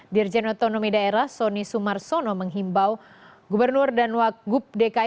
dirjen otonomi daerah sony sumarsono menghimbau gubernur dan wagub dki